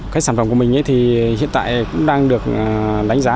cái sản phẩm của mình thì hiện tại cũng đang được đánh giá